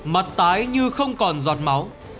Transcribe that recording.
mặt tái như không còn giọt máu